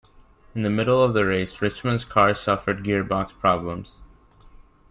In the middle of the race, Richmond's car suffered gearbox problems.